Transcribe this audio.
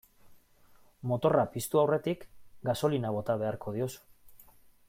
Motorra piztu aurretik gasolina bota beharko diozu.